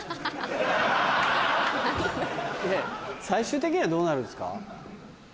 最終的にはどうなるんですか？